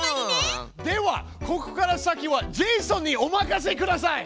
ではここから先はジェイソンにお任せください！